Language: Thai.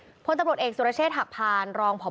รวมถึงเมื่อวานี้ที่บิ๊กโจ๊กพาไปคุยกับแอมท์ท่านสถานหญิงกลาง